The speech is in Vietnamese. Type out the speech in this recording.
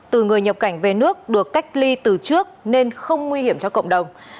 từ người nhập cảnh về nước được cách ly từ trước nên không nguy hiểm cho cộng đồng